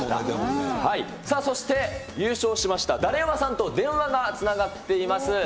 さあ、そして優勝しましただれウマさんと電話がつながっています。